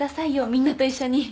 みんなと一緒に。